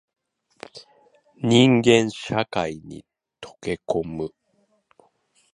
人間社会に溶け込む